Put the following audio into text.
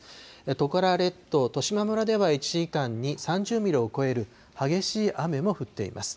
トカラ列島としま村では、１時間に３０ミリを超える激しい雨も降っています。